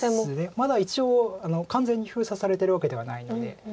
まだ一応完全に封鎖されてるわけではないので。